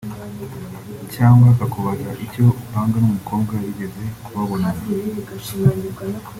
cyangwa akakubaza icyo upanga n’umukobwa yigeze kubabonana